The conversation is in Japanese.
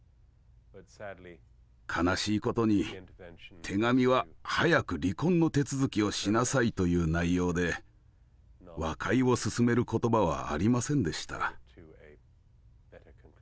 悲しいことに手紙は「早く離婚の手続きをしなさい」という内容で和解をすすめる言葉はありませんでした。